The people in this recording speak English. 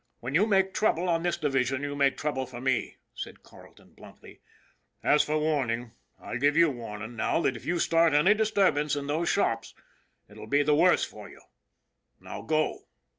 " When you make trouble on this division you make trouble for me," said Carleton bluntly. " As for warn ing, I give you warning now that if you start any dis turbance in those shops it will be the worse for you. Now go